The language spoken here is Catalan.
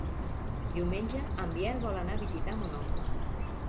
Diumenge en Biel vol anar a visitar mon oncle.